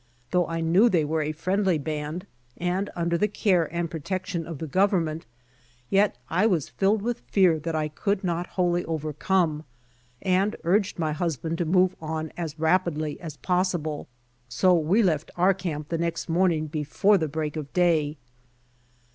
Though I knew they were a friendly band and under the care "and protection of the government, INDIANS 35 yet I was filled with a fear that I could not wholly overcome, and urged my husband to move on as rap idly as possible, so Ave left our camp next morning before the break <of day.